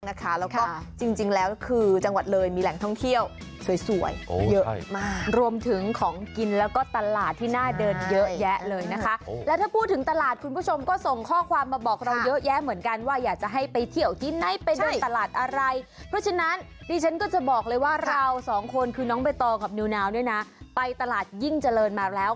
แล้วก็จริงแล้วคือจังหวัดเลยมีแหล่งท่องเที่ยวสวยเยอะมากรวมถึงของกินแล้วก็ตลาดที่น่าเดินเยอะแยะเลยนะคะแล้วถ้าพูดถึงตลาดคุณผู้ชมก็ส่งข้อความมาบอกเราเยอะแยะเหมือนกันว่าอยากจะให้ไปเที่ยวที่ไหนไปเดินตลาดอะไรเพราะฉะนั้นดิฉันก็จะบอกเลยว่าเราสองคนคือน้องใบตองกับนิวนาวเนี่ยนะไปตลาดยิ่งเจริญมาแล้ว